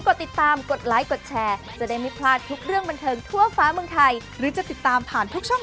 ใครจะมีเลขอะไรก็ไม่รู้แหละแล้วแต่คุณชอบ